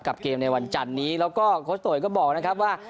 เกมในวันจันนี้แล้วก็โค้ชโตยก็บอกนะครับว่า